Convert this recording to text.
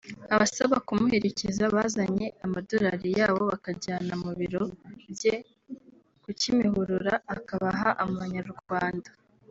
abasaba kumuherekeza bazanye amadolari yabo bakajyana mu biro bye ku Kimihurura akabaha amanyarwanda